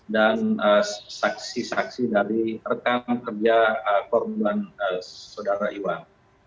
dan saksi saksi dari rekan kerja korban saudara irwan